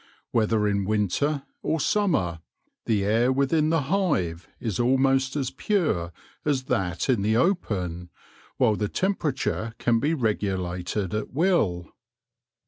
Whether in winter or summer, the air within the hive is almost as pure as that in the open, while the temperature can be regulated at will.